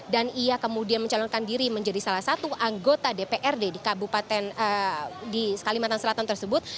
dan ia kemudian mencalonkan diri menjadi salah satu anggota dprd di kabupaten di kalimantan selatan tersebut